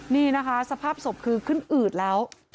นี่นะคะสภาพศพคือขึ้นอืดแล้ว